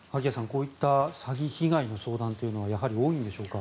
こういった詐欺被害の相談というのはやはり多いんでしょうか？